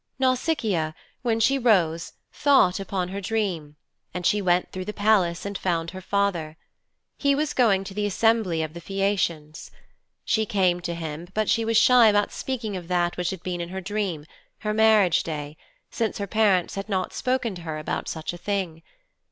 Nausicaa, when she rose thought upon her dream, and she went through the Palace and found her father. He was going to the assembly of the Phæacians. She came to him, but she was shy about speaking of that which had been in her dream her marriage day since her parents had not spoken to her about such a thing.